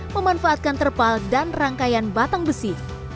memanfaatkan terpal dan rangkaian batang besi